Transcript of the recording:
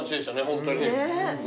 ホントに。